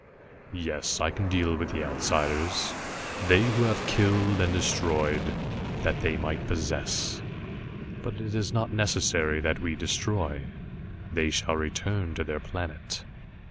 "Yes, I can deal with the Outsiders they who have killed and destroyed, that they might possess. But it is not necessary that we destroy. They shall return to their planet."